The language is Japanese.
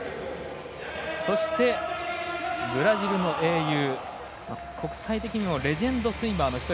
そして、ブラジルの英雄国際的にもレジェンドスイマーの１人。